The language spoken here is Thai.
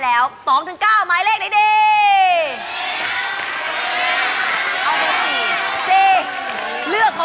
หมวกปีกดีกว่าหมวกปีกดีกว่า